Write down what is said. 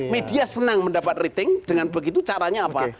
media senang mendapat rating dengan begitu caranya apa